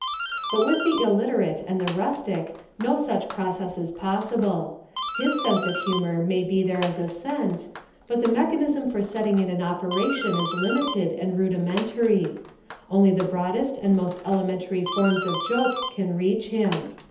But with the illiterate and the rustic no such process is possible. His sense of humour may be there as a sense, but the mechanism for setting it in operation is limited and rudimentary. Only the broadest and most elementary forms of joke can reach him.